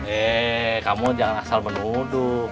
eh kamu jangan asal menuduh